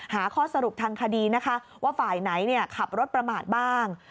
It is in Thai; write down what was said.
หาข้อสรุปทางคดีนะคะว่าฝ่ายไหนขับรถประมาทบ้าง